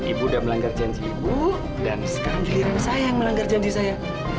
ibu udah melanggar janji ibu dan sekarang giliran saya yang melanggar janji saya